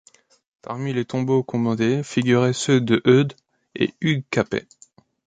Parmi les tombeaux commandés figuraient ceux de Eudes et Hugues Capet.